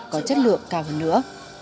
có chất lượng cao hơn nữa